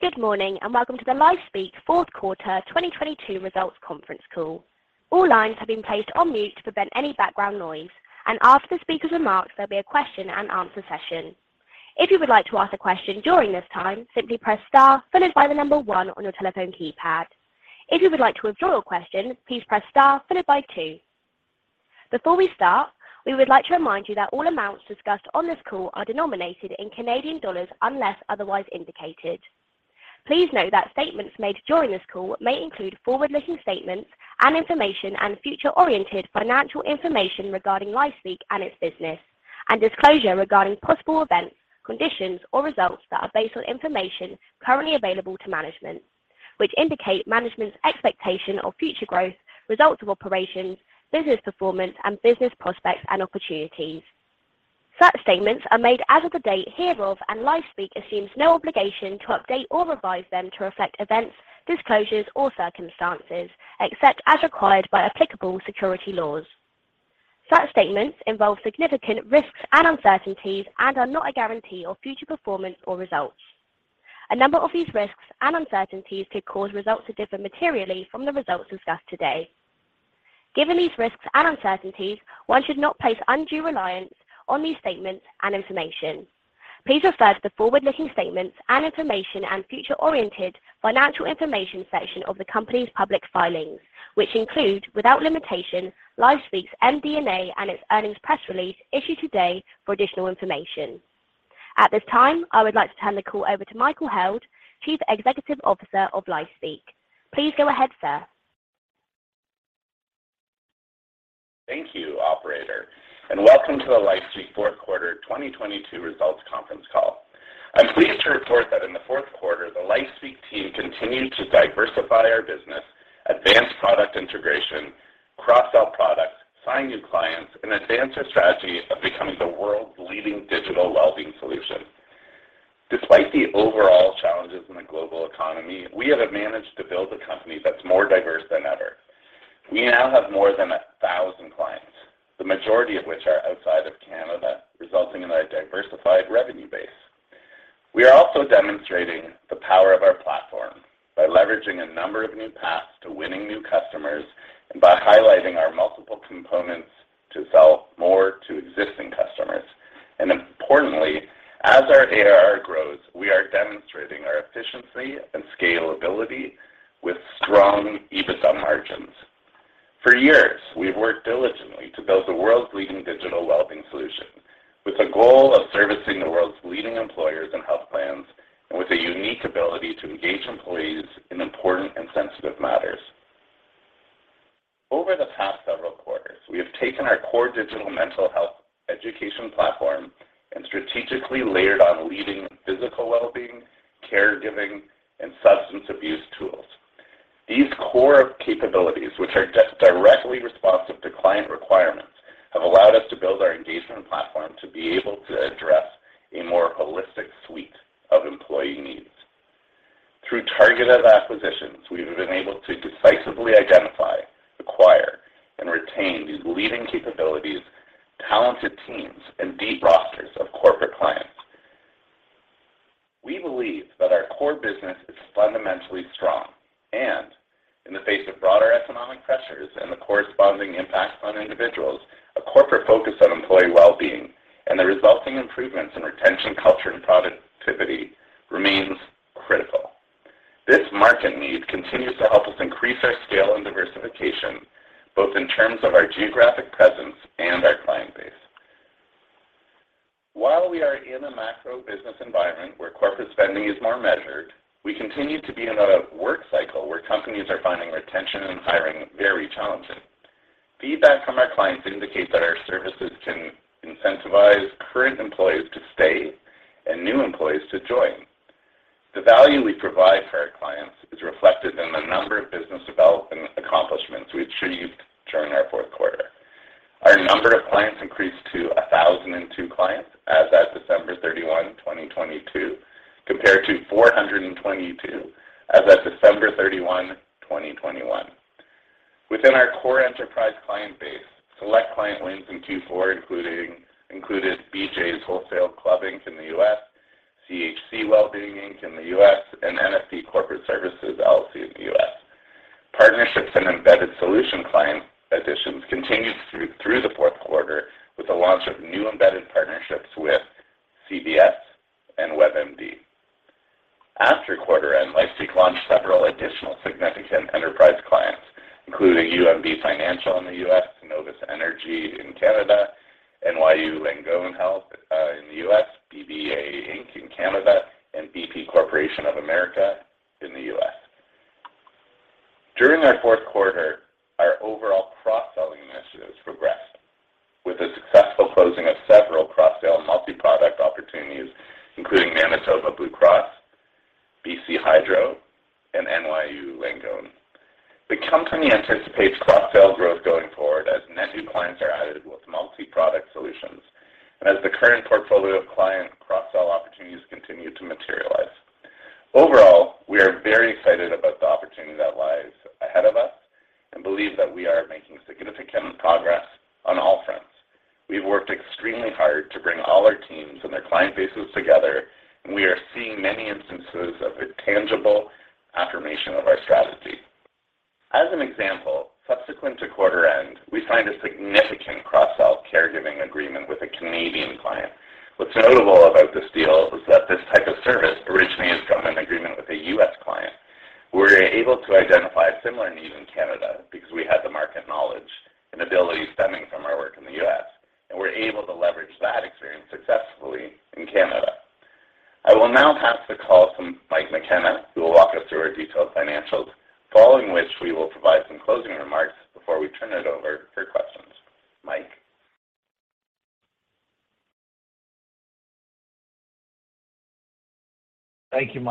Good morning, welcome to the LifeSpeak fourth quarter 2022 results conference call. All lines have been placed on mute to prevent any background noise, after the speaker's remarks, there'll be a question and answer session. If you would like to ask a question during this time, simply press * followed by 1 on your telephone keypad. If you would like to withdraw your question, please press * followed by 2. Before we start, we would like to remind you that all amounts discussed on this call are denominated in Canadian dollars unless otherwise indicated. Please note that statements made during this call may include forward-looking statements and information and future-oriented financial information regarding LifeSpeak and its business, and disclosure regarding possible events, conditions, or results that are based on information currently available to management, which indicate management's expectation of future growth, results of operations, business performance, and business prospects and opportunities. Such statements are made as of the date hereof, and LifeSpeak assumes no obligation to update or revise them to reflect events, disclosures, or circumstances except as required by applicable security laws. Such statements involve significant risks and uncertainties and are not a guarantee of future performance or results. A number of these risks and uncertainties could cause results to differ materially from the results discussed today. Given these risks and uncertainties, one should not place undue reliance on these statements and information. Please refer to the forward-looking statements and information and future-oriented financial information section of the company's public filings, which include, without limitation, LifeSpeak's MD&A and its earnings press release issued today for additional information. At this time, I would like to turn the call over to Michael Held, Chief Executive Officer of LifeSpeak. Please go ahead, sir. Thank you, operator, welcome to the LifeSpeak fourth quarter 2022 results conference call. I'm pleased to report that in the fourth quarter, the LifeSpeak team continued to diversify our business, advance product integration, cross-sell products, sign new clients, and advance our strategy of becoming the world's leading digital well-being solution. Despite the overall challenges in the global economy, we have managed to build a company that's more diverse than ever. We now have more than 1,000 clients, the majority of which are outside of Canada, resulting in a diversified revenue base. We are also demonstrating the power of our platform by leveraging a number of new paths to winning new customers and by highlighting our multiple components to sell more to existing customers. Importantly, as our ARR grows, we are demonstrating our efficiency and scalability with strong EBITDA margins. For years, we've worked diligently to build the world's leading digital well-being solution with the goal of servicing the world's leading employers and health plans and with a unique ability to engage employees in important and sensitive matters. Over the past several quarters, we have taken our core digital mental health education platform and strategically layered on leading physical well-being, caregiving, and substance abuse tools. These core capabilities, which are directly responsive to client requirements, have allowed us to build our engagement platform to be able to address a more holistic suite of employee needs. Through targeted acquisitions, we have been able to decisively identify, acquire, and retain these leading capabilities, talented teams, and deep rosters of corporate clients. We believe that our core business is fundamentally strong. In the face of broader economic pressures and the corresponding impacts on individuals, a corporate focus on employee wellbeing and the resulting improvements in retention culture and productivity remains critical. This market need continues to help us increase our scale and diversification, both in terms of our geographic presence and our client base. While we are in a macro business environment where corporate spending is more measured, we continue to be in a work cycle where companies are finding retention and hiring very challenging. Feedback from our clients indicate that our services can incentivize current employees to stay and new employees to join. The value we provide for our clients is reflected in the number of business development accomplishments we achieved during our fourth quarter. Our number of clients increased to 1,002 clients as at December 31, 2022, compared to 422 as at December 31, 2021. Within our core enterprise client base, select client wins in Q4 included BJ's Wholesale Club, Inc. in the U.S., CHC Wellbeing, Inc. in the U.S., and NFP Corporate Services LLC in the U.S. Partnerships and embedded solution client additions continued through the fourth quarter with the launch of new embedded partnerships with CVS and WebMD. After quarter end, LifeSpeak launched several additional significant enterprise clients, including UMB Financial in the U.S., Novus Energy in Canada, NYU Langone Health in the U.S., BBA Inc. in Canada, and BP Corporation of America in the U.S. During our fourth quarter, our overall cross-selling initiatives progressed with the successful closing of several cross-sale multi-product opportunities, including Manitoba Blue Cross, BC Hydro, and NYU Langone. The company anticipates cross-sale growth going forward as net new clients are added with multi-product solutions and as the current portfolio of client cross-sell opportunities continue to materialize. Overall, I believe that we are making significant progress on all fronts. We've worked extremely hard to bring all our teams and their client bases together. We are seeing many instances of a tangible affirmation of our strategy. As an example, subsequent to quarter end, we signed a significant cross-sell caregiving agreement with a Canadian client. What's notable about this deal is that this type of service originally had come in agreement with a U.S. client. We were able to identify a similar need in Canada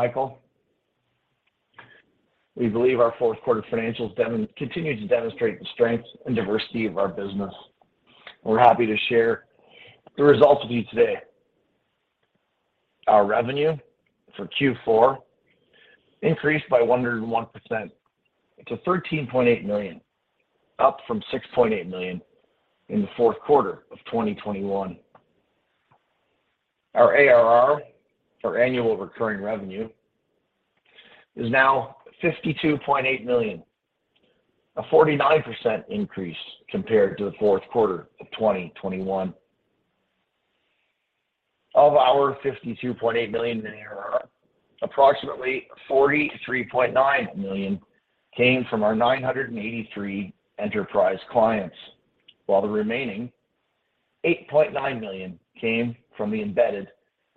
because we had the market knowledge and ability stemming from our work in the US, and we were able to leverage that experience successfully in Canada. I will now pass the call to Mike McKenna, who will walk us through our detailed financials, following which we will provide some closing remarks before we turn it over for questions. Mike. Thank you, Michael. We believe our fourth quarter financials continue to demonstrate the strength and diversity of our business. We're happy to share the results with you today. Our revenue for Q4 increased by 101% to CAD 13.8 million, up from CAD 6.8 million in the fourth quarter of 2021. Our ARR, or annual recurring revenue, is now 52.8 million, a 49% increase compared to the fourth quarter of 2021. Of our 52.8 million in ARR, approximately 43.9 million came from our 983 enterprise clients, while the remaining 8.9 million came from the embedded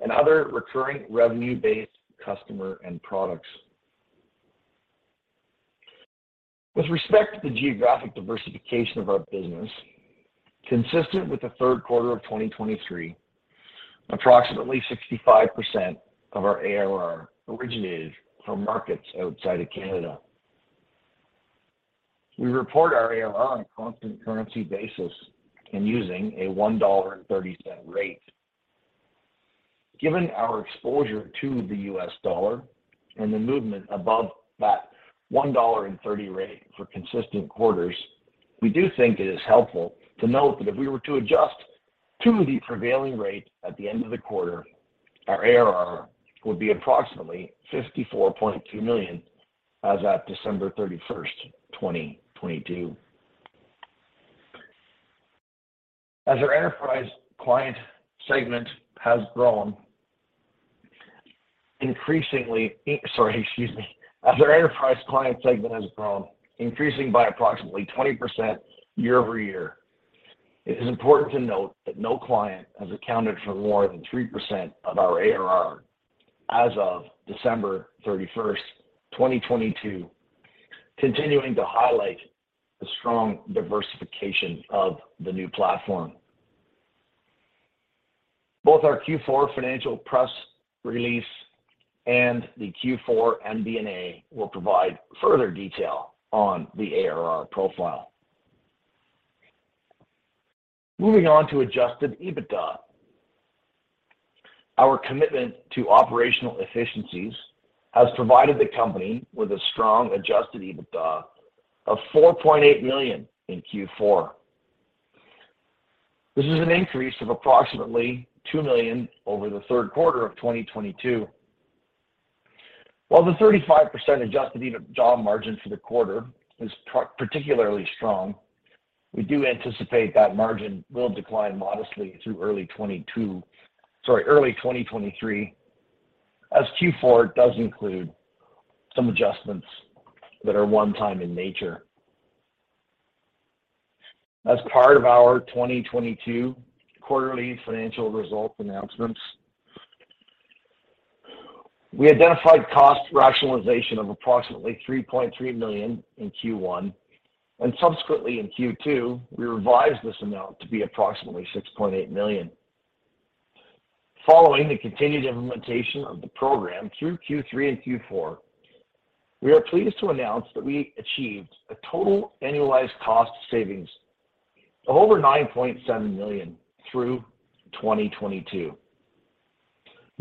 and other recurring revenue-based customer and products. With respect to the geographic diversification of our business, consistent with the third quarter of 2023, approximately 65% of our ARR originated from markets outside of Canada. We report our ARR on a constant currency basis and using a $1.30 rate. Given our exposure to the U.S., dollar and the movement above that $1.30 rate for consistent quarters, we do think it is helpful to note that if we were to adjust to the prevailing rate at the end of the quarter, our ARR would be approximately $54.2 million as at December 31, 2022. As our enterprise client segment has grown, increasing by approximately 20% year-over-year, it is important to note that no client has accounted for more than 3% of our ARR as of December 31, 2022, continuing to highlight the strong diversification of the new platform. Both our Q4 financial press release and the Q4 MD&A will provide further detail on the ARR profile. Moving on to adjusted EBITDA. Our commitment to operational efficiencies has provided the company with a strong adjusted EBITDA of 4.8 million in Q4. This is an increase of approximately 2 million over the third quarter of 2022. While the 35% adjusted EBITDA margin for the quarter is particularly strong, we do anticipate that margin will decline modestly through early 2023, as Q4 does include some adjustments that are one-time in nature. As part of our 2022 quarterly financial results announcements, we identified cost rationalization of approximately 3.3 million in Q1, and subsequently in Q2, we revised this amount to be approximately 6.8 million. Following the continued implementation of the program through Q3 and Q4, we are pleased to announce that we achieved a total annualized cost savings of over 9.7 million through 2022.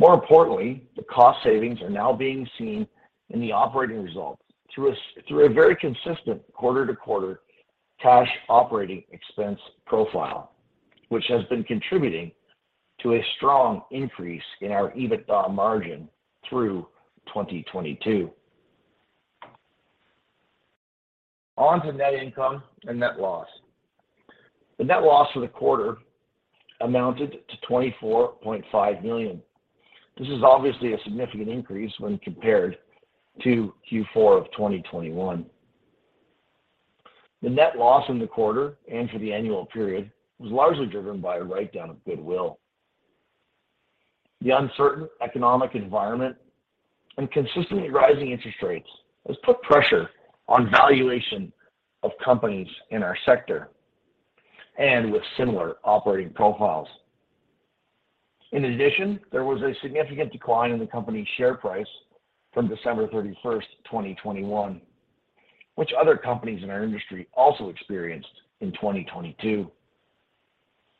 More importantly, the cost savings are now being seen in the operating results through a very consistent quarter-to-quarter cash operating expense profile, which has been contributing to a strong increase in our EBITDA margin through 2022. On to net income and net loss. The net loss for the quarter amounted to 24.5 million. This is obviously a significant increase when compared to Q4 of 2021. The net loss in the quarter and for the annual period was largely driven by a write-down of goodwill. The uncertain economic environment and consistently rising interest rates has put pressure on valuation of companies in our sector and with similar operating profiles. In addition, there was a significant decline in the company's share price from December 31st, 2021, which other companies in our industry also experienced in 2022.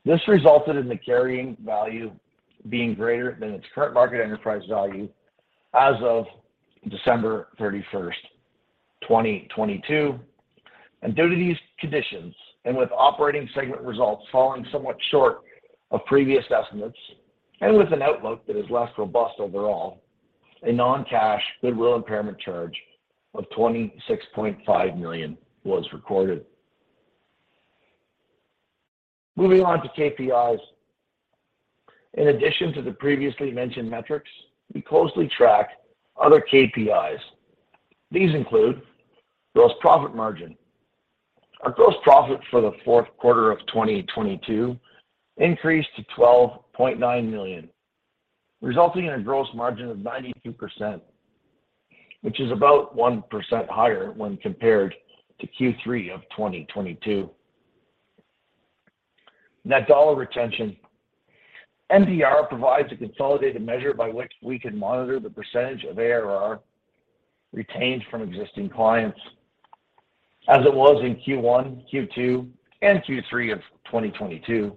This resulted in the carrying value being greater than its current market enterprise value as of December 31st, 2022. Due to these conditions, and with operating segment results falling somewhat short of previous estimates, and with an outlook that is less robust overall, a non-cash goodwill impairment charge of 26.5 million was recorded. Moving on to KPIs. In addition to the previously mentioned metrics, we closely track other KPIs. These include gross profit margin. Our gross profit for the fourth quarter of 2022 increased to 12.9 million, resulting in a gross margin of 92%, which is about 1% higher when compared to Q3 of 2022. Net dollar retention. NDR provides a consolidated measure by which we can monitor the % of ARR retained from existing clients. As it was in Q1, Q2, and Q3 of 2022,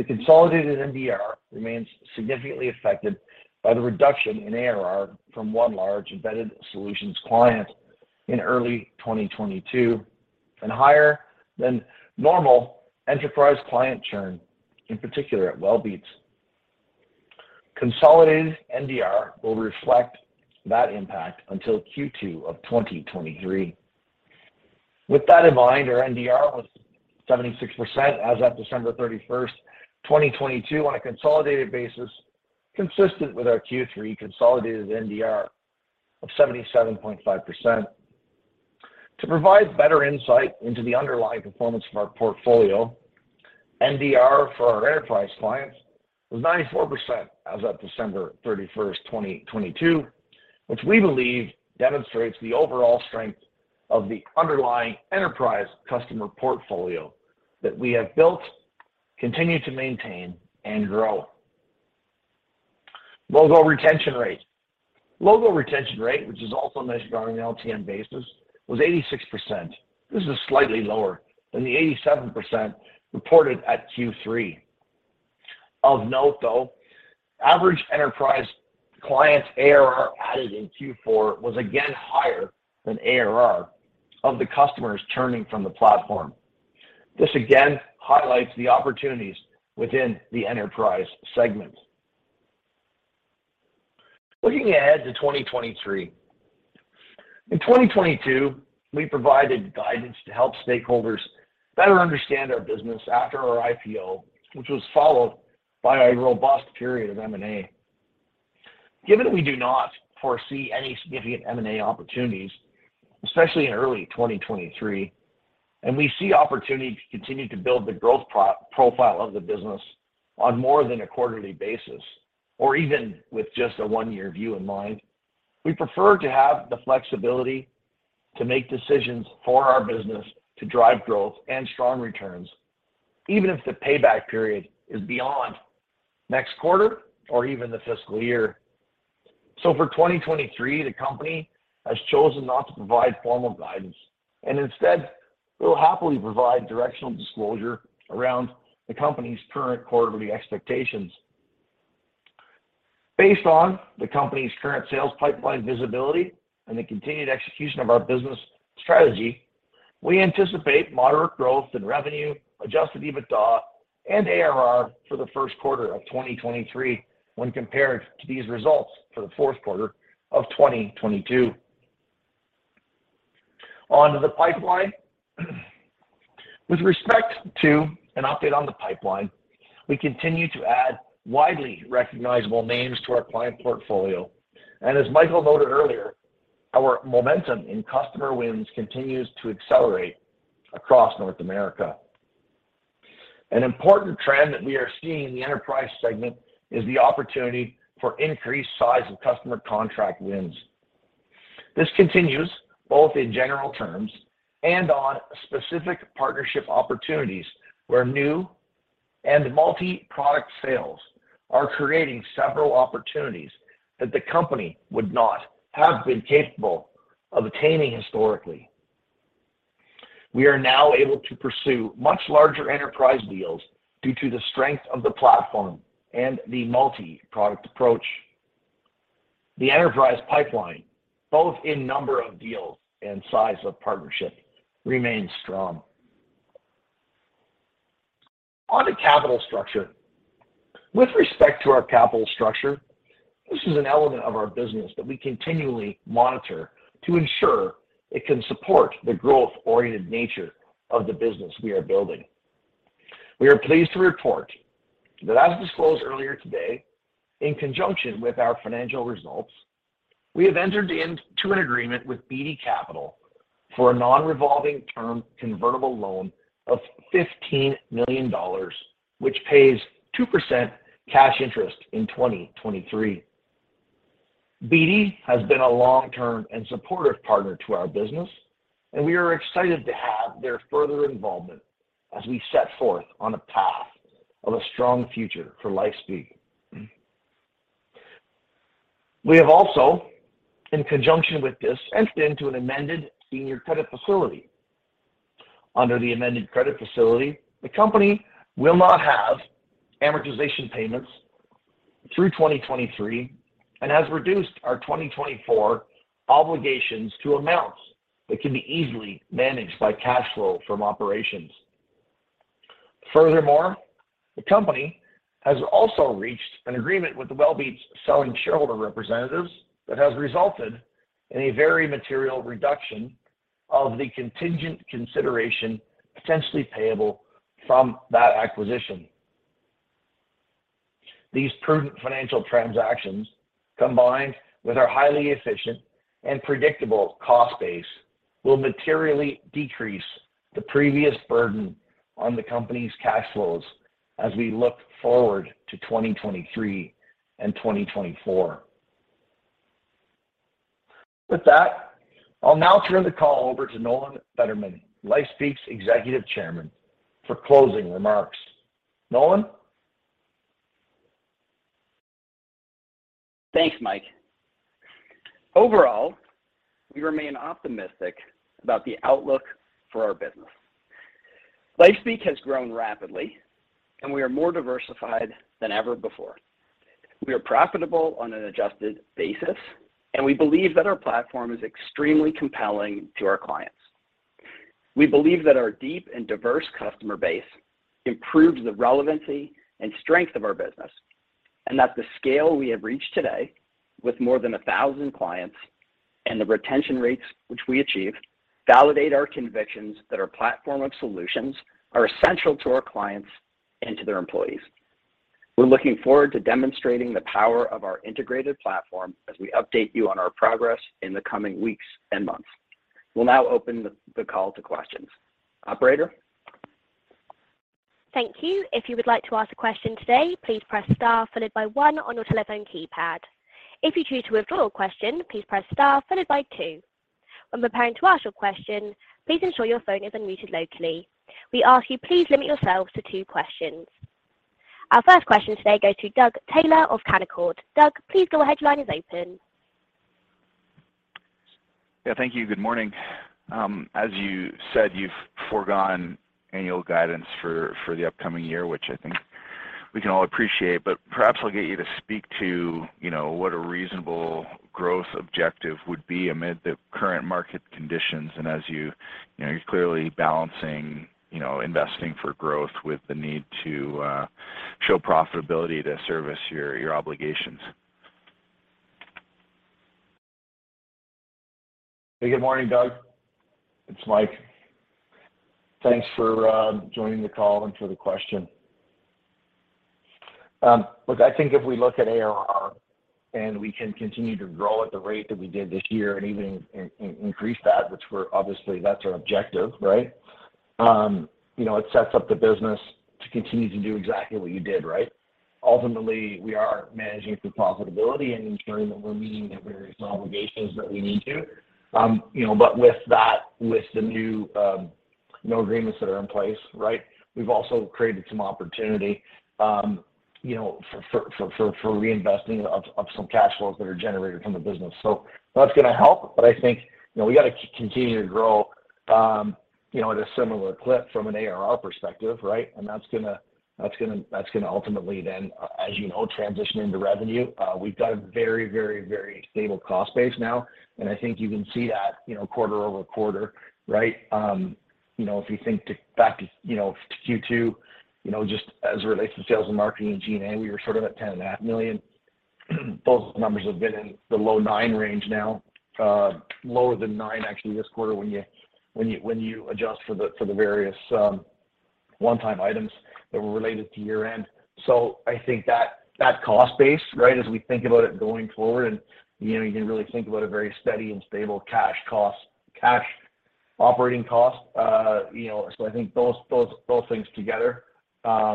the consolidated NDR remains significantly affected by the reduction in ARR from one large embedded solutions client in early 2022 and higher than normal enterprise client churn, in particular at Wellbeats. Consolidated NDR will reflect that impact until Q2 of 2023. With that in mind, our NDR was 76% as of December 31st, 2022 on a consolidated basis, consistent with our Q3 consolidated NDR of 77.5%. To provide better insight into the underlying performance of our portfolio, NDR for our enterprise clients was 94% as of December 31st, 2022, which we believe demonstrates the overall strength of the underlying enterprise customer portfolio that we have built, continue to maintain, and grow. logo retention rate. Logo retention rate, which is also measured on an LTM basis, was 86%. This is slightly lower than the 87% reported at Q3. Of note, though, average enterprise clients ARR added in Q4 was again higher than ARR of the customers churning from the platform. This again highlights the opportunities within the enterprise segment. Looking ahead to 2023. In 2022, we provided guidance to help stakeholders better understand our business after our IPO, which was followed by a robust period of M&A. Given that we do not foresee any significant M&A opportunities, especially in early 2023, and we see opportunity to continue to build the growth profile of the business on more than a quarterly basis, or even with just a one-year view in mind, we prefer to have the flexibility to make decisions for our business to drive growth and strong returns, even if the payback period is beyond next quarter or even the fiscal year. For 2023, the company has chosen not to provide formal guidance, and instead will happily provide directional disclosure around the company's current quarterly expectations. Based on the company's current sales pipeline visibility and the continued execution of our business strategy, we anticipate moderate growth in revenue, adjusted EBITDA, and ARR for the first quarter of 2023 when compared to these results for the fourth quarter of 2022. On to the pipeline. With respect to an update on the pipeline, we continue to add widely recognizable names to our client portfolio. As Michael noted earlier, our momentum in customer wins continues to accelerate across North America. An important trend that we are seeing in the enterprise segment is the opportunity for increased size of customer contract wins. This continues both in general terms and on specific partnership opportunities where new and multi-product sales are creating several opportunities that the company would not have been capable of attaining historically. We are now able to pursue much larger enterprise deals due to the strength of the platform and the multi-product approach. The enterprise pipeline, both in number of deals and size of partnership, remains strong. On to capital structure. With respect to our capital structure, this is an element of our business that we continually monitor to ensure it can support the growth-oriented nature of the business we are building. We are pleased to report that as disclosed earlier today, in conjunction with our financial results, we have entered into an agreement with Beedie Capital for a non-revolving term convertible loan of $15 million, which pays 2% cash interest in 2023. Beedie has been a long-term and supportive partner to our business, and we are excited to have their further involvement as we set forth on a path of a strong future for LifeSpeak. We have also in conjunction with this entered into an amended senior credit facility. Under the amended credit facility, the company will not have amortization payments through 2023 and has reduced our 2024 obligations to amounts that can be easily managed by cash flow from operations. Furthermore, the company has also reached an agreement with Wellbeats' selling shareholder representatives that has resulted in a very material reduction of the contingent consideration potentially payable from that acquisition. These prudent financial transactions, combined with our highly efficient and predictable cost base, will materially decrease the previous burden on the company's cash flows as we look forward to 2023 and 2024. With that, I'll now turn the call over to Nolan Bederman, LifeSpeak's Executive Chairman, for closing remarks. Nolan? Thanks, Mike. Overall, we remain optimistic about the outlook for our business. LifeSpeak has grown rapidly, and we are more diversified than ever before. We are profitable on an adjusted basis, and we believe that our platform is extremely compelling to our clients. We believe that our deep and diverse customer base improves the relevancy and strength of our business, and that the scale we have reached today with more than a thousand clients and the retention rates which we achieve validate our convictions that our platform of solutions are essential to our clients and to their employees. We're looking forward to demonstrating the power of our integrated platform as we update you on our progress in the coming weeks and months. We'll now open the call to questions. Operator? Thank you. If you would like to ask a question today, please press * followed by one on your telephone keypad. If you choose to withdraw your question, please press * followed by two. When preparing to ask your question, please ensure your phone is unmuted locally. We ask you please limit yourselves to two questions. Our first question today goes to Doug Taylor of Canaccord. Doug, please go ahead. Line is open. Yeah, thank you. Good morning. As you said, you've foregone annual guidance for the upcoming year, which I think we can all appreciate. Perhaps I'll get you to speak to, you know, what a reasonable growth objective would be amid the current market conditions and as you know, you're clearly balancing, you know, investing for growth with the need to show profitability to service your obligations. Hey, good morning, Doug. It's Mike. Thanks for joining the call and for the question. Look, I think if we look at ARR and we can continue to grow at the rate that we did this year and even increase that, which we're obviously that's our objective, right? You know, it sets up the business to continue to do exactly what you did, right? Ultimately, we are managing for profitability and ensuring that we're meeting the various obligations that we need to. You know, but with that, with the new, you know, agreements that are in place, right, we've also created some opportunity, you know, for reinvesting of some cash flows that are generated from the business. That's gonna help. I think, you know, we got to continue to grow, you know, at a similar clip from an ARR perspective, right? That's gonna ultimately then, as you know, transition into revenue. We've got a very stable cost base now, and I think you can see that, you know, quarter-over-quarter, right? You know, if you think back to, you know, Q2, you know, just as it relates to sales and marketing and G&A, we were sort of at $10.5 million. Those numbers have been in the low $9 million range now, lower than $9 million actually this quarter when you adjust for the various one-time items that were related to year-end. I think that cost base, right, as we think about it going forward, and, you know, you can really think about a very steady and stable cash cost, cash operating cost. You know, I think those things together,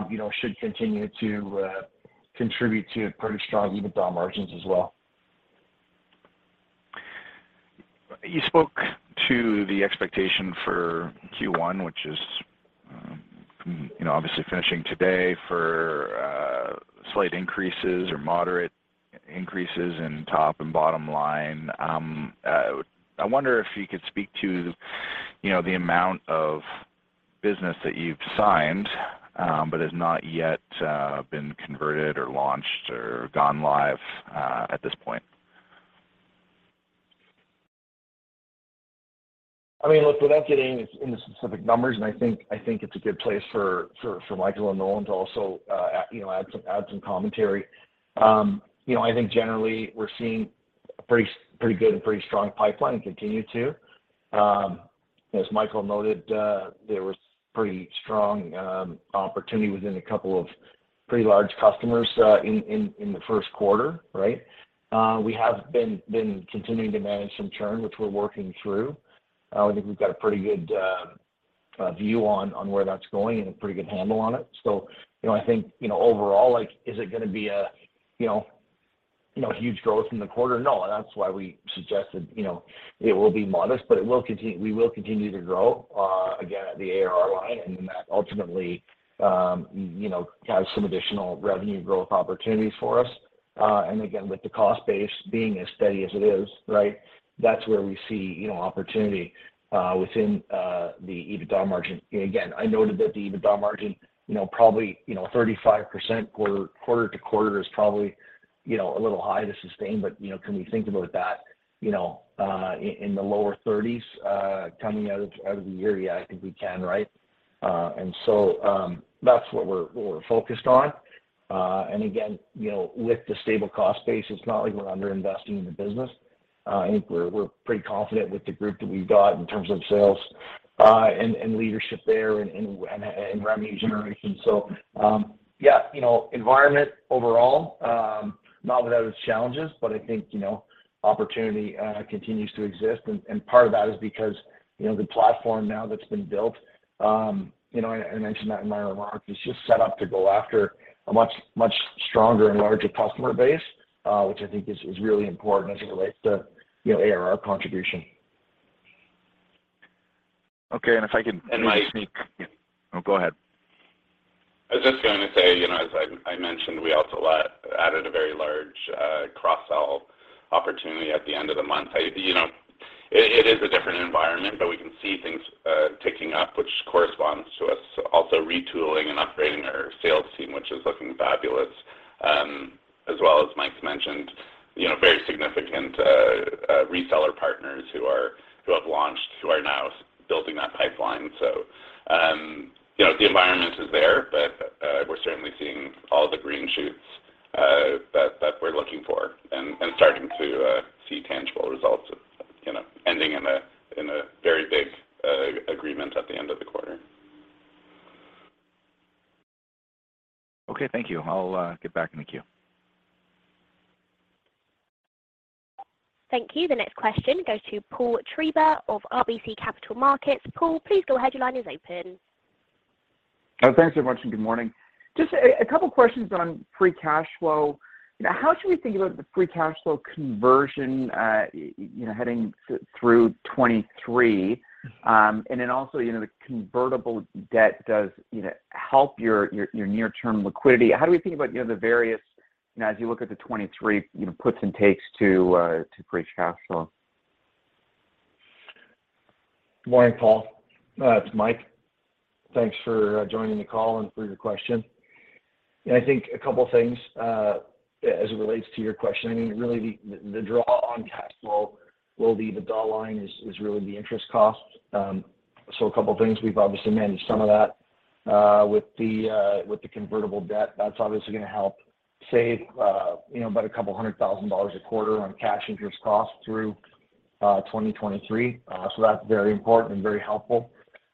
you know, should continue to contribute to pretty strong EBITDA margins as well. You spoke to the expectation for Q1, which is, you know, obviously finishing today for slight increases or moderate increases in top and bottom line. I wonder if you could speak to, you know, the amount of business that you've signed, but has not yet been converted or launched or gone live, at this point. I mean, look, without getting into specific numbers, I think it's a good place for Michael and Nolan to also, you know, add some commentary. You know, I think generally we're seeing a pretty good and pretty strong pipeline, and continue to. As Michael noted, there was pretty strong opportunity within a couple of pretty large customers in the first quarter, right? We have been continuing to manage some churn, which we're working through. I think we've got a pretty good view on where that's going and a pretty good handle on it. You know, I think, you know, overall, like, is it gonna be a, you know, huge growth in the quarter? No. That's why we suggested, you know, it will be modest. It will continue to grow again at the ARR line and then that ultimately, you know, have some additional revenue growth opportunities for us. Again, with the cost base being as steady as it is, right? That's where we see, you know, opportunity within the EBITDA margin. Again, I noted that the EBITDA margin, you know, probably, you know, 35% quarter to quarter is probably, you know, a little high to sustain, but, you know, can we think about that, you know, in the lower thirties coming out of the year? Yeah, I think we can, right? That's what we're focused on. Again, you know, with the stable cost base, it's not like we're under-investing in the business. I think we're pretty confident with the group that we've got in terms of sales, and leadership there and revenue generation. You know, environment overall, not without its challenges, but I think, you know, opportunity continues to exist. Part of that is because, you know, the platform now that's been built, you know, and I mentioned that in my remarks, is just set up to go after a much stronger and larger customer base, which I think is really important as it relates to, you know, ARR contribution. Okay. If I could... And Mike- Oh, go ahead. I was just gonna say, you know, as I mentioned, we also added a very large cross-sell opportunity at the end of the month. You know, it is a different environment, but we can see things ticking up, which corresponds to us also retooling and upgrading our sales team, which is looking fabulous. As well, as Mike's mentioned, you know, very significant reseller partners who have launched, who are now building that pipeline. You know, the environment is there, but we're certainly seeing all the green shoots that we're looking for and starting to see tangible results of, you know, ending in a very big agreement at the end of the quarter. Okay. Thank you. I'll get back in the queue. Thank you. The next question goes to Paul Treiber of RBC Capital Markets. Paul, please go ahead. Your line is open. Thanks very much. Good morning. Just a couple questions on free cash flow. You know, how should we think about the free cash flow conversion, you know, heading through 2023? Then also, you know, the convertible debt does, you know, help your near-term liquidity. How do we think about, you know, the various, you know, as you look at the 2023, you know, puts and takes to free cash flow? Good morning, Paul. It's Mike. Thanks for joining the call and for your question. Yeah, I think a couple things as it relates to your question. I mean, really the draw on cash flow will be the dollar line is really the interest cost. A couple things. We've obviously managed some of that with the convertible debt. That's obviously gonna help save, you know, about 200 thousand dollars a quarter on cash interest costs through 2023. That's very important and very helpful.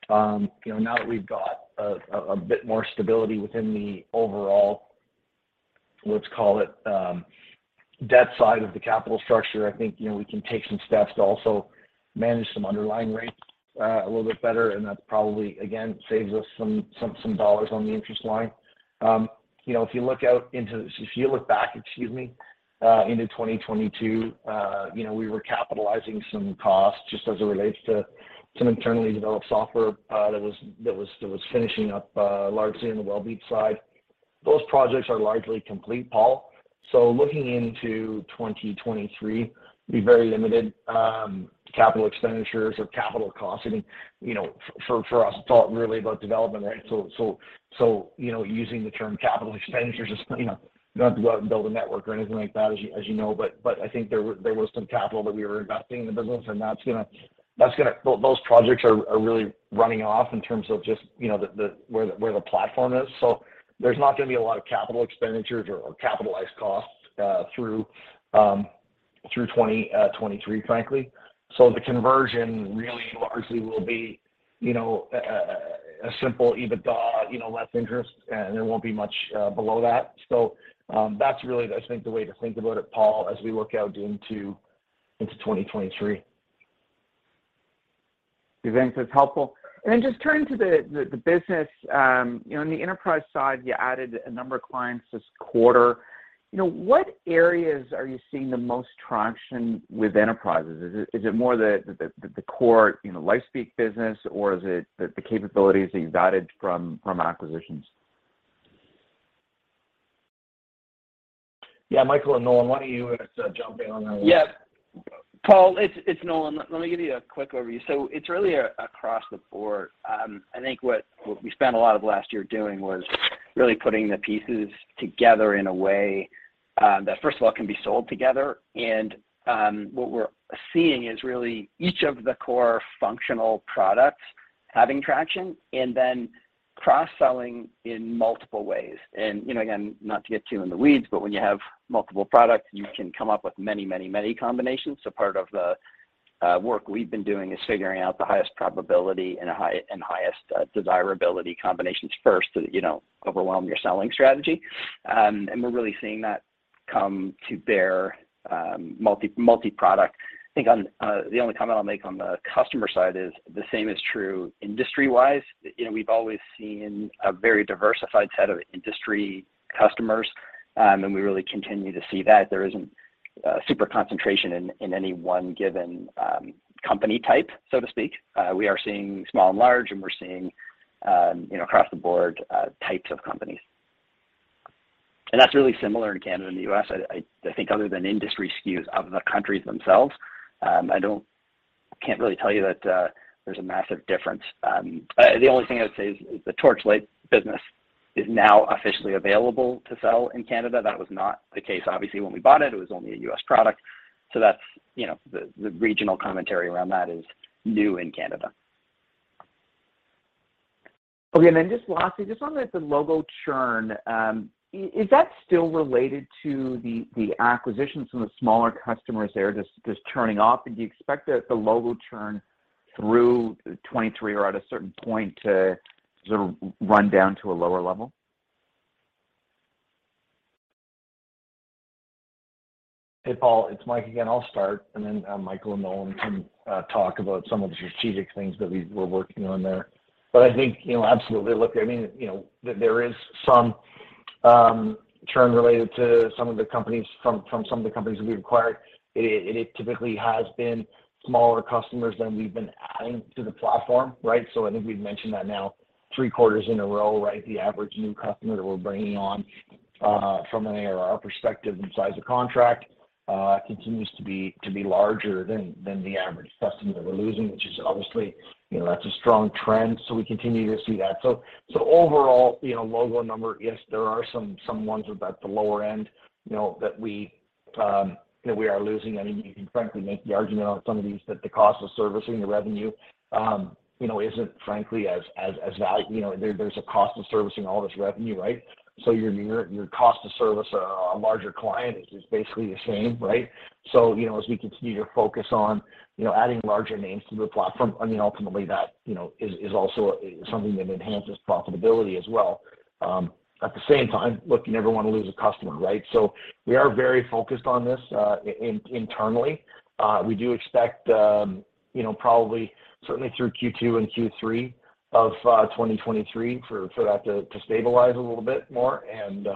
You know, now that we've got a bit more stability within the overall, let's call it, debt side of the capital structure, I think, you know, we can take some steps to also manage some underlying rates a little bit better, and that probably, again, saves us some dollars on the interest line. You know, if you look back, excuse me, into 2022, you know, we were capitalizing some costs just as it relates to some internally developed software that was finishing up largely on the Wellbeats' side. Those projects are largely complete, Paul. Looking into 2023, be very limited capital expenditures or capital costs. I think, you know, for us, it's all really about development, right? Using the term capital expenditures is, you know, you don't have to go out and build a network or anything like that, as you know. I think there was some capital that we were investing in the business. Those projects are really running off in terms of just, you know, the where the platform is. There's not gonna be a lot of capital expenditures or capitalized costs through 2023, frankly. The conversion really largely will be, you know, a simple EBITDA, you know, less interest, and there won't be much below that. That's really, I think, the way to think about it, Paul, as we look out into 2023. Do you think that's helpful? Just turning to the business, you know, on the enterprise side, you added a number of clients this quarter. You know, what areas are you seeing the most traction with enterprises? Is it more the core, you know, LifeSpeak business, or is it the capabilities that you've added from acquisitions? Yeah. Michael and Nolan, why don't you guys jump in on that one? Paul, it's Nolan. Let me give you a quick overview. It's really across the board. I think what we spent a lot of last year doing was really putting the pieces together in a way that first of all can be sold together. What we're seeing is really each of the core functional products having traction and then cross-selling in multiple ways. You know, again, not to get too in the weeds, but when you have multiple products, you can come up with many, many, many combinations. Part of the work we've been doing is figuring out the highest probability and highest desirability combinations first, so that you don't overwhelm your selling strategy. We're really seeing that come to bear, multi-product. I think on the only comment I'll make on the customer side is the same is true industry-wise. You know, we've always seen a very diversified set of industry customers, and we really continue to see that. There isn't a super concentration in any one given company type, so to speak. We are seeing small and large, and we're seeing, you know, across the board, types of companies. And that's really similar in Canada and the U.S. I think other than industry skews of the countries themselves, I can't really tell you that there's a massive difference. The only thing I would say is the Torchlight business is now officially available to sell in Canada. That was not the case obviously, when we bought it. It was only a U.S., product. That's, you know, the regional commentary around that is new in Canada. Okay. Then just lastly, just on the logo churn, is that still related to the acquisitions from the smaller customers there just churning off? Do you expect the logo churn through 2023 or at a certain point to sort of run down to a lower level? Hey, Paul, it's Mike again. I'll start. Michael and Nolan can talk about some of the strategic things that we're working on there. I think, you know, absolutely. Look, I mean, you know, there is some churn related to some of the companies from some of the companies that we acquired. It typically has been smaller customers than we've been adding to the platform, right? I think we've mentioned that now 3 quarters in a row, right? The average new customer that we're bringing on from an ARR perspective and size of contract continues to be larger than the average customer that we're losing, which is obviously, you know, that's a strong trend. We continue to see that. Overall, you know, logo number, yes, there are some ones at the lower end, you know, that we that we are losing. I mean, you can frankly make the argument on some of these that the cost of servicing the revenue, you know, isn't frankly. You know, there's a cost of servicing all this revenue, right? Your, your cost to service a larger client is basically the same, right? You know, as we continue to focus on, you know, adding larger names to the platform, I mean, ultimately that, you know, is also something that enhances profitability as well. At the same time, look, you never wanna lose a customer, right? We are very focused on this internally. We do expect, you know, probably certainly through Q2 and Q3 of 2023 for that to stabilize a little bit more and,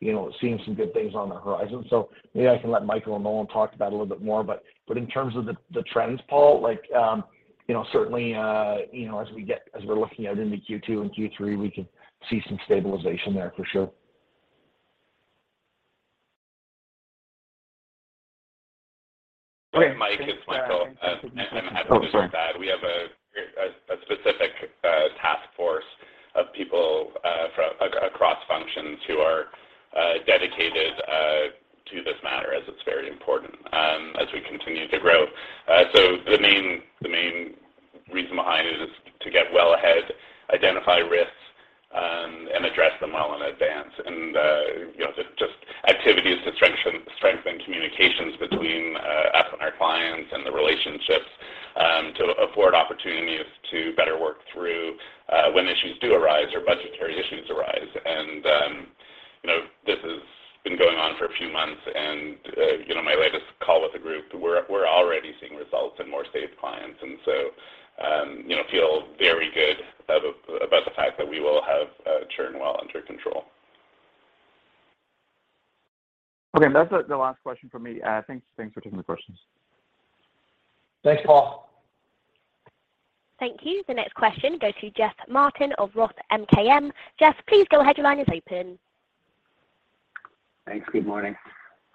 you know, seeing some good things on the horizon. Maybe I can let Michael and Nolan talk about it a little bit more. In terms of the trends, Paul, like, you know, certainly, you know, as we're looking out into Q2 and Q3, we could see some stabilization there for sure. Great. Thanks. Yeah. Thanks for taking the questions. Mike, it's Michael. I'm happy to add that we have a specific task force of people across functions who are dedicated to this matter as it's very important as we continue to grow. The main reason behind it is to get well ahead, identify risks, and address them well in advance. You know, just activities to strengthen communications between us and our clients and the relationships to afford opportunities to better work through when issues do arise or budgetary issues arise. you know, this has been going on for a few months and, you know, my latest call with the group, we're already seeing results in more saved clients, and so, you know, feel very good about the fact that we will have, churn well under control. Okay. That's the last question from me. Thanks for taking the questions. Thanks, Paul. Thank you. The next question goes to Jeff Martin of Roth MKM. Jeff, please go ahead. Your line is open. Thanks. Good morning.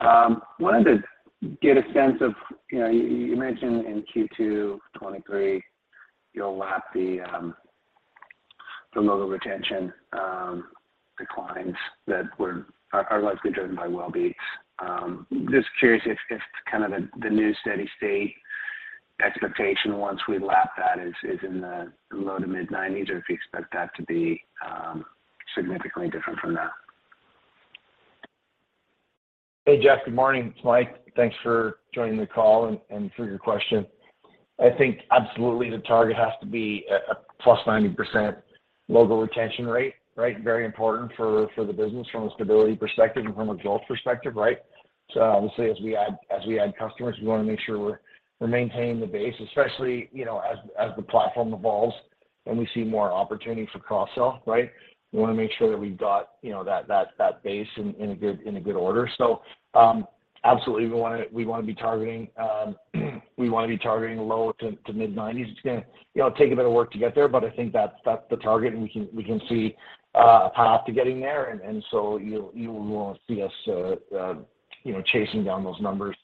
Wanted to get a sense of, you know, you mentioned in Q2 2023, you'll lap the logo retention declines that are likely driven by Wellbeats. Just curious if kind of the new steady state expectation once we lap that is in the low to mid-90s, or if you expect that to be significantly different from that. Hey, Jeff. Good morning. It's Mike. Thanks for joining the call and for your question. I think absolutely the target has to be a plus 90% logo retention rate, right? Very important for the business from a stability perspective and from a growth perspective, right? obviously, as we add customers, we wanna make sure we're maintaining the base, especially, you know, as the platform evolves and we see more opportunity for cross-sell, right? We wanna make sure that we've got, you know, that base in a good order. absolutely we wanna be targeting, we wanna be targeting low to mid-90s. It's gonna, you know, take a bit of work to get there, but I think that's the target and we can see a path to getting there. You will see us, you know, chasing down those numbers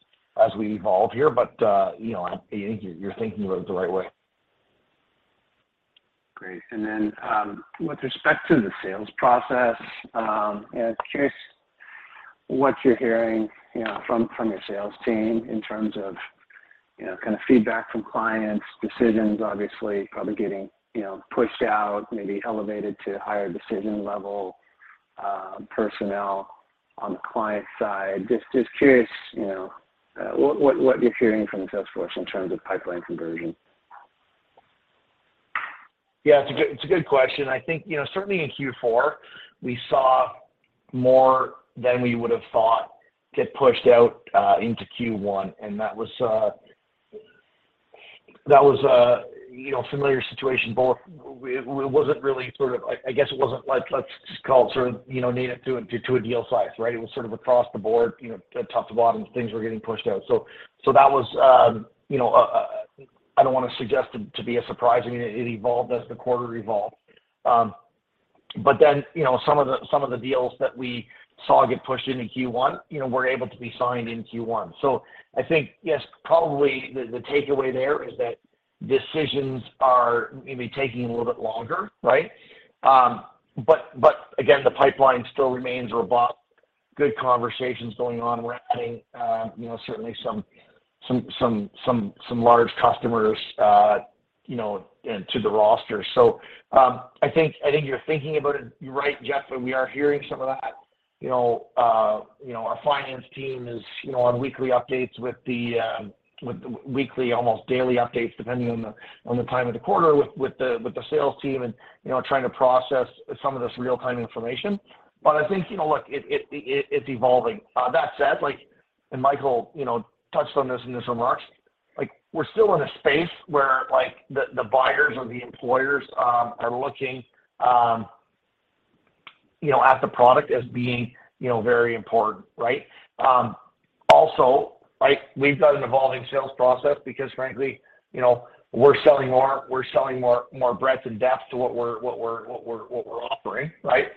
as we evolve here. You know, I think you're thinking about it the right way. Great. Then, with respect to the sales process, yeah, curious what you're hearing, you know, from your sales team in terms of, you know, kind of feedback from clients, decisions obviously probably getting, you know, pushed out, maybe elevated to higher decision level personnel on the client side. Just curious, you know, what you're hearing from the sales force in terms of pipeline conversion. Yeah, it's a good question. I think, you know, certainly in Q4, we saw more than we would've thought get pushed out into Q1. That was a, you know, familiar situation. It wasn't really sort of, I guess it wasn't like, let's call sort of, you know, need it to a deal size, right? It was sort of across the board, you know, top to bottom things were getting pushed out. That was, you know, I don't want to suggest it to be a surprise. I mean, it evolved as the quarter evolved. You know, some of the deals that we saw get pushed into Q1, you know, were able to be signed in Q1. I think, yes, probably the takeaway there is that decisions are maybe taking a little bit longer, right? Again, the pipeline still remains robust. Good conversations going on. We're adding, you know, certainly some large customers, you know, into the roster. I think you're thinking about it right, Jeff, and we are hearing some of that. You know, our finance team is, you know, on weekly updates with the, with weekly, almost daily updates, depending on the time of the quarter with the sales team and, you know, trying to process some of this real-time information. I think, you know, look, it's evolving. That said, like, and Michael, you know, touched on this in his remarks, like, we're still in a space where like the buyers or the employers are looking, you know, at the product as being, you know, very important, right? Right, we've got an evolving sales process because frankly, you know, we're selling more. We're selling more breadth and depth to what we're offering, right?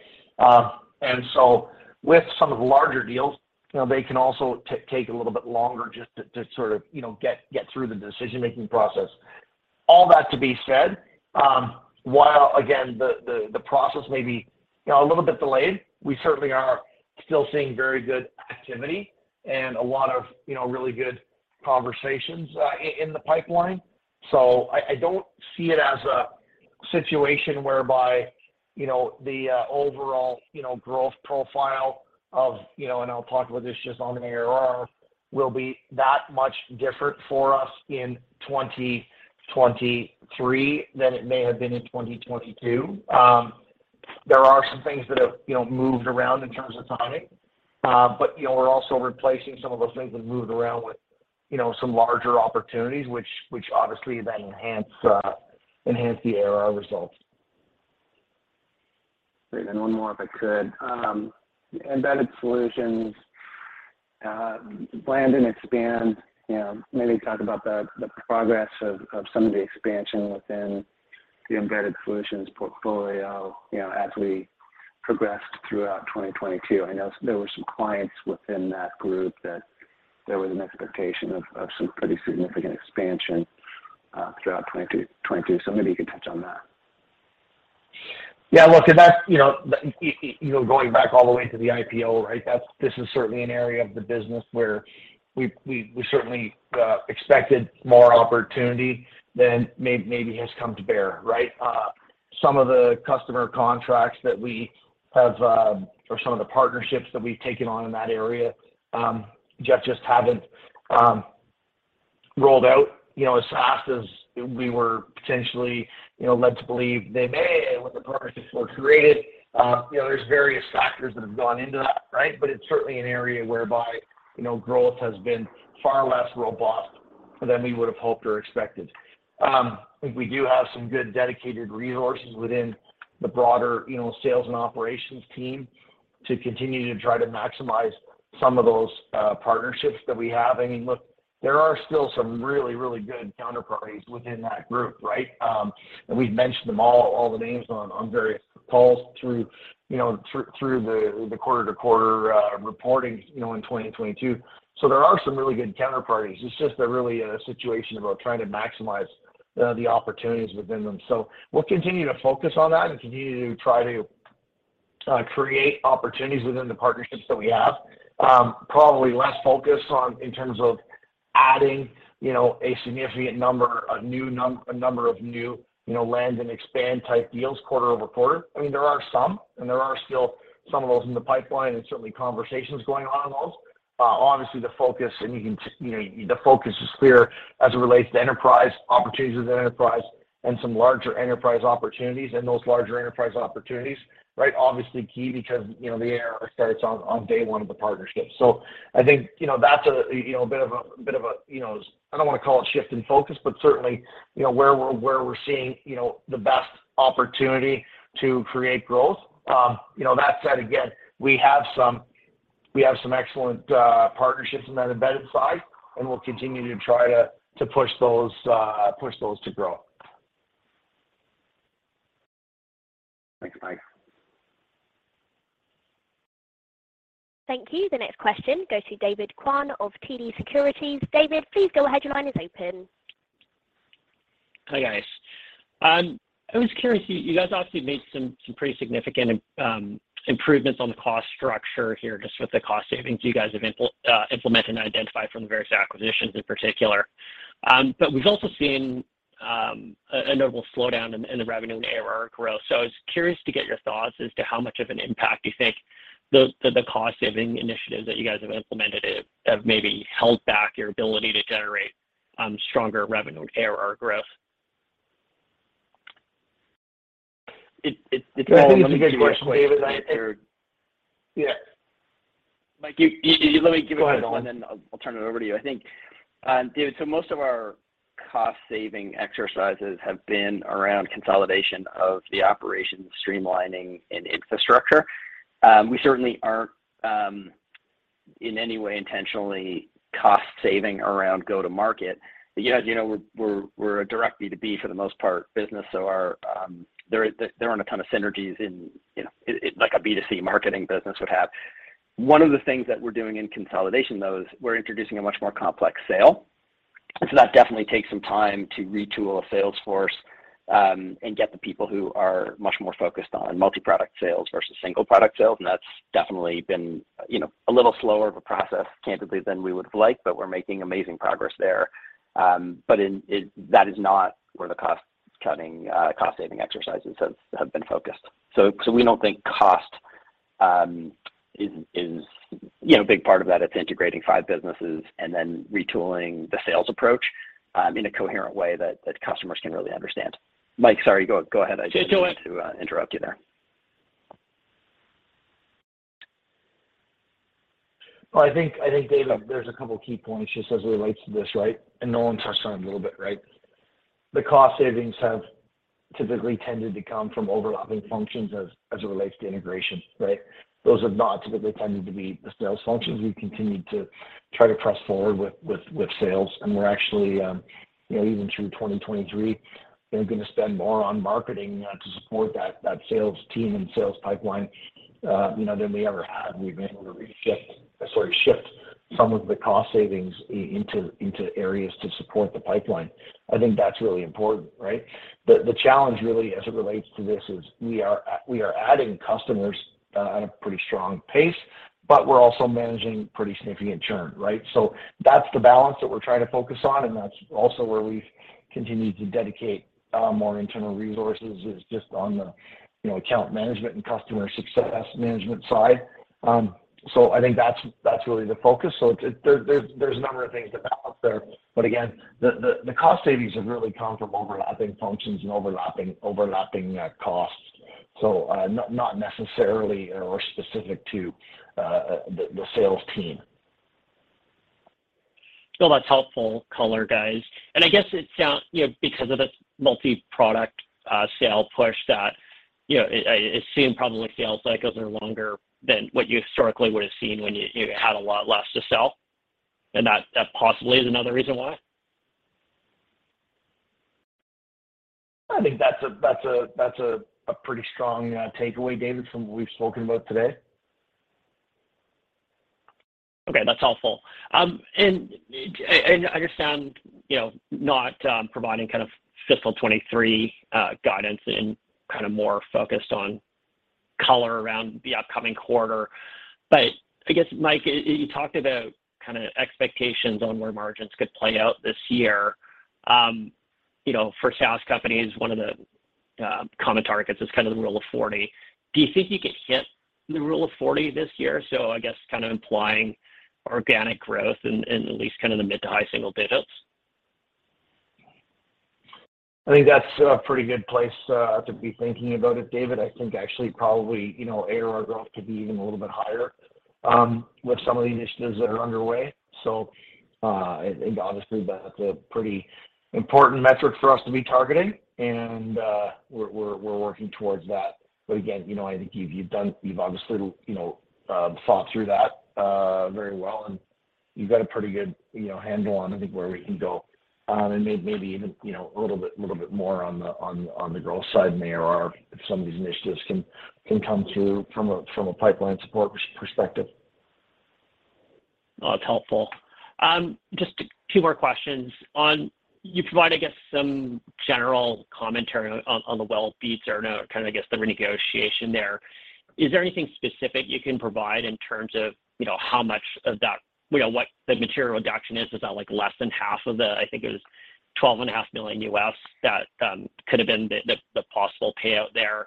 With some of the larger deals, you know, they can also take a little bit longer just to sort of, you know, get through the decision-making process. All that to be said, while again, the, the process may be, you know, a little bit delayed, we certainly are still seeing very good activity and a lot of, you know, really good conversations in the pipeline. I don't see it as a situation whereby, you know, the, overall, you know, growth profile of, you know, and I'll talk about this just on the ARR, will be that much different for us in 2023 than it may have been in 2022. There are some things that have, you know, moved around in terms of timing. You know, we're also replacing some of those things that moved around with, you know, some larger opportunities, which obviously then enhance the ARR results. Great. One more, if I could. embedded solutions, land and expand, you know, maybe talk about the progress of some of the expansion within the embedded solutions portfolio, you know, as we progressed throughout 2022. I know there were some clients within that group that there was an expectation of some pretty significant expansion, throughout 2022. Maybe you can touch on that. now, going back all the way to the IPO, right? This is certainly an area of the business where we, we certainly expected more opportunity than maybe has come to bear, right? Some of the customer contracts that we have, or some of the partnerships that we've taken on in that area, just haven't rolled out, you know, as fast as we were potentially, you know, led to believe they may when the partnerships were created. You know, there's various factors that have gone into that, right? But it's certainly an area whereby, you know, growth has been far less robust than we would've hoped or expected. I think we do have some good dedicated resources within the broader, you know, sales and operations team to continue to try to maximize some of those partnerships that we have. I mean, look, there are still some really, really good counterparties within that group, right? And we've mentioned them all the names on various calls through, you know, through the quarter-to-quarter reporting, you know, in 2022. There are some really good counterparties. It's just a really a situation about trying to maximize the opportunities within them. We'll continue to focus on that and continue to try to create opportunities within the partnerships that we have. Probably less focus on in terms of adding, you know, a significant number, a number of new, you know, land and expand type deals quarter over quarter. I mean, there are some, and there are still some of those in the pipeline and certainly conversations going on in those. Obviously the focus, you know, the focus is clear as it relates to enterprise opportunities within enterprise and some larger enterprise opportunities. Those larger enterprise opportunities, right, obviously key because, you know, the ARR starts on day one of the partnership. I think, you know, that's a, you know, a bit of a, you know, I don't want to call it shift in focus, but certainly you know, where we're seeing, you know, the best opportunity to create growth. You know, that said again, we have some excellent partnerships in that embedded side, and we'll continue to try to push those to grow. Thanks, Mike. Thank you. The next question goes to David Kwan of TD Securities. David, please go ahead. Your line is open. Hi, guys. I was curious, you guys obviously made some pretty significant improvements on the cost structure here, just with the cost savings you guys have implemented and identified from the various acquisitions in particular. We've also seen a notable slowdown in the revenue and ARR growth. I was curious to get your thoughts as to how much of an impact you think the cost saving initiatives that you guys have implemented have maybe held back your ability to generate stronger revenue and ARR growth. It's all integration- David. Yeah. Mike, let me give it a go, and then I'll turn it over to you. I think, David, most of our cost-saving exercises have been around consolidation of the operations streamlining and infrastructure. We certainly aren't in any way intentionally cost saving around go-to-market. You guys, you know, we're a direct B2B for the most part business, our, there aren't a ton of synergies in, you know, like a B2C marketing business would have. One of the things that we're doing in consolidation, though, is we're introducing a much more complex sale. That definitely takes some time to retool a sales force, and get the people who are much more focused on multi-product sales versus single product sales. That's definitely been, you know, a little slower of a process, candidly, than we would have liked, but we're making amazing progress there. In that is not where the cost cutting, cost-saving exercises have been focused. We don't think cost is, you know, a big part of that. It's integrating 5 businesses and then retooling the sales approach in a coherent way that customers can really understand. Mike, sorry. Go ahead. Yeah, go ahead. I didn't mean to interrupt you there. Well, I think, David, there's a couple key points just as it relates to this, right? Nolan touched on it a little bit, right? The cost savings have typically tended to come from overlapping functions as it relates to integration, right? Those have not typically tended to be the sales functions. We've continued to try to press forward with sales. We're actually, you know, even through 2023, gonna spend more on marketing to support that sales team and sales pipeline, you know, than we ever have. We've been able to shift some of the cost savings into areas to support the pipeline. I think that's really important, right? The challenge really as it relates to this is we are adding customers at a pretty strong pace, but we're also managing pretty significant churn, right? That's the balance that we're trying to focus on, and that's also where we've continued to dedicate more internal resources, is just on the, you know, account management and customer success management side. I think that's really the focus. There's a number of things to balance there. Again, the cost savings have really come from overlapping functions and overlapping costs. Not necessarily or specific to the sales team. No, that's helpful color, guys. I guess it sounds, you know, because of this multi-product, sale push that, you know, it seems probably sales cycles are longer than what you historically would have seen when you had a lot less to sell. That possibly is another reason why. I think that's a pretty strong takeaway, David, from what we've spoken about today. Okay, that's helpful. I understand, you know, not providing kind of fiscal 2023 guidance and kind of more focused on color around the upcoming quarter. I guess, Mike, you talked about kinda expectations on where margins could play out this year. You know, for SaaS companies, one of the common targets is kind of the Rule of 40. Do you think you could hit the Rule of 40 this year? I guess kind of implying organic growth in at least kind of the mid to high single digits. I think that's a pretty good place to be thinking about it, David. I think actually probably, you know, ARR growth could be even a little bit higher with some of the initiatives that are underway. I think obviously that's a pretty important metric for us to be targeting, and we're working towards that. Again, you know, I think you've obviously, you know, thought through that very well, and you've got a pretty good, you know, handle on, I think, where we can go. Maybe even, you know, a little bit more on the growth side in the ARR if some of these initiatives can come to from a pipeline support perspective. No, that's helpful. Just 2 more questions. You provided, I guess, some general commentary on the Wellbeats earn out, kind of I guess the renegotiation there. Is there anything specific you can provide in terms of, you know, how much of that, you know, what the material reduction is? Is that like less than half of the, I think it was $12.5 million that could have been the possible payout there,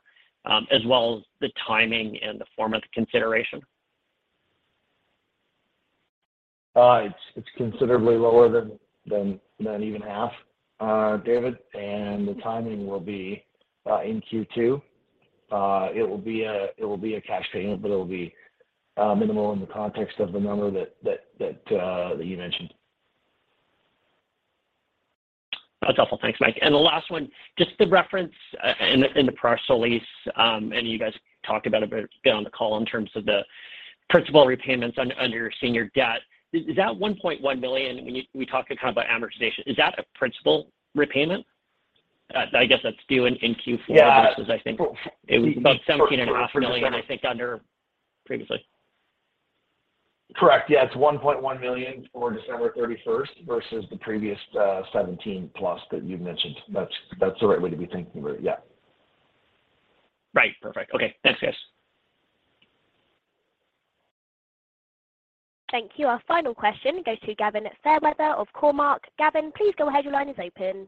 as well as the timing and the form of the consideration? It's considerably lower than even half, David. The timing will be in Q2. It will be a cash payment, but it'll be minimal in the context of the number that you mentioned. That's helpful. Thanks, Mike. The last one, just the reference in the, in the press release, and you guys talked about a bit on the call in terms of the principal repayments under your senior debt. Is that 1.1 million when we talked kind of about amortization? Is that a principal repayment that I guess that's due in Q4? Yeah... versus I think it was about seventeen and a half million, I think, under previously. Correct. Yeah, it's $1.1 million for December 31st versus the previous, $17+ million that you mentioned. That's the right way to be thinking about it, yeah. Right. Perfect. Okay, thanks, guys. Thank you. Our final question goes to Gavin Fairweather of Cormark. Gavin, please go ahead. Your line is open.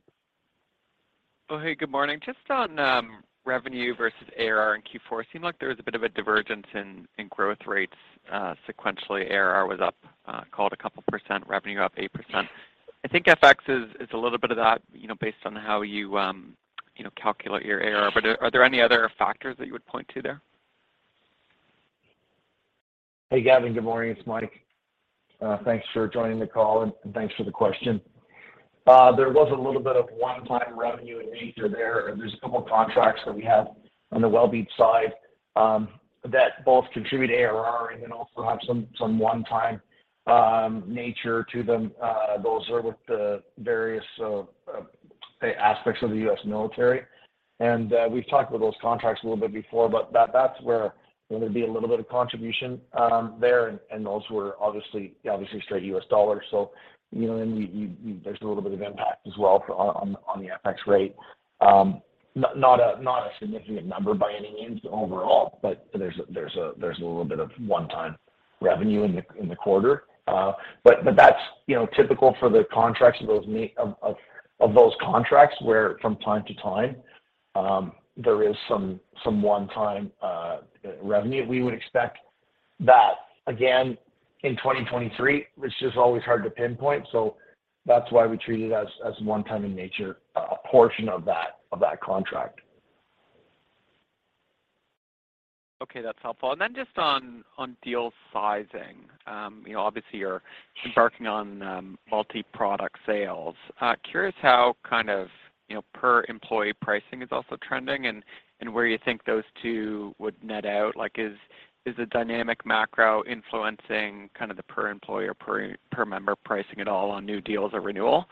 Oh, hey, good morning. Just on revenue versus ARR in Q4, it seemed like there was a bit of a divergence in growth rates. Sequentially, ARR was up, called a couple percent, revenue up 8%. I think FX is a little bit of that, you know, based on how you know, calculate your ARR. Are there any other factors that you would point to there? Hey, Gavin. Good morning. It's Mike. Thanks for joining the call, and thanks for the question. There was a little bit of one-time revenue in nature there. There's a couple contracts that we have on the Wellbeats side that both contribute ARR and then also have some one-time nature to them. Those are with the various aspects of the U.S., military. We've talked about those contracts a little bit before, but that's where there'd be a little bit of contribution there, and those were straight U.S., dollars. You know, there's a little bit of impact as well on the FX rate. Not a significant number by any means overall, but there's a little bit of one-time revenue in the quarter. That's, you know, typical for the contracts of those of those contracts, where from time to time, there is some one-time revenue. We would expect that again in 2023, it's just always hard to pinpoint, so that's why we treat it as one-time in nature, a portion of that contract. Okay, that's helpful. Just on deal sizing. You know, obviously you're embarking on multi-product sales. Curious how kind of, you know, per employee pricing is also trending and where you think those two would net out. Like is the dynamic macro influencing kind of the per employee or per member pricing at all on new deals or renewal?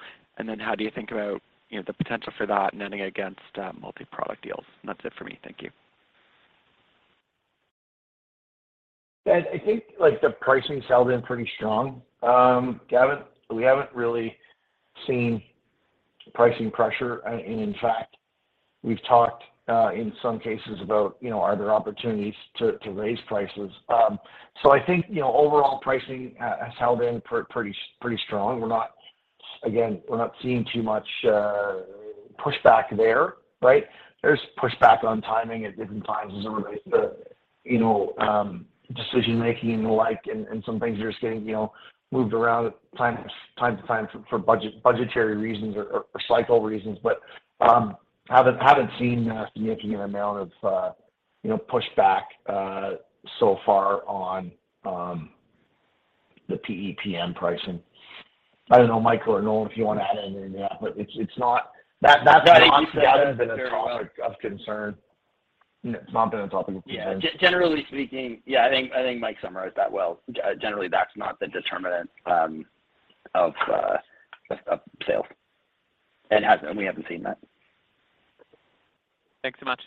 How do you think about, you know, the potential for that netting against multi-product deals? That's it for me. Thank you. I think like the pricing's held in pretty strong. Gavin, we haven't really seen pricing pressure. In fact, we've talked in some cases about, you know, are there opportunities to raise prices. I think, you know, overall pricing has held in pretty strong. Again, we're not seeing too much pushback there, right? There's pushback on timing at different times as it relates to, you know, decision-making and the like, and some things are just getting, you know, moved around time to time for budgetary reasons or cycle reasons. Haven't seen a significant amount of, you know, pushback so far on the PEPM pricing. I don't know, Michael or Noel, if you wanna add anything to that. It's not... That's not been a topic of concern. It's not been a topic of concern. Yeah. Generally speaking, yeah, I think Mike summarized that well. Generally, that's not the determinant of sales. It hasn't. We haven't seen that. Thanks so much.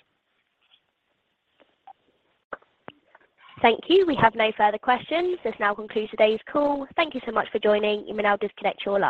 Thank you. We have no further questions. This now concludes today's call. Thank you so much for joining. You may now disconnect your line.